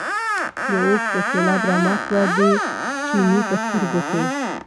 د اوښکو سېلاب رامات و د چیني په سترګو کې.